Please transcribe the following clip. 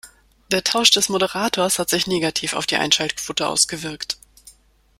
Der Tausch des Moderators hat sich negativ auf die Einschaltquote ausgewirkt.